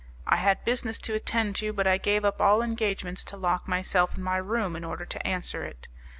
I had business to attend to, but I gave up all engagements to lock myself in my room in order to answer it.